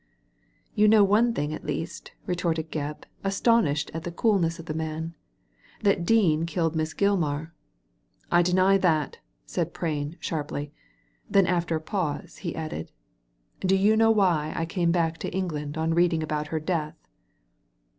"You know one thing at least," retorted Gebb, astonished at the coolness of the man, that Dean kiUed Miss Giknar." •* I deny that," said Prain, sharply ; then after a pause, he added, *' Do you know why I came back to England on reading about her death